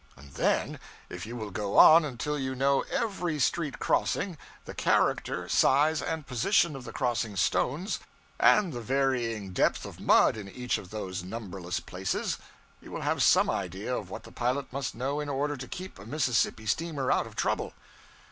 And then if you will go on until you know every street crossing, the character, size, and position of the crossing stones, and the varying depth of mud in each of those numberless places, you will have some idea of what the pilot must know in order to keep a Mississippi steamer out of trouble.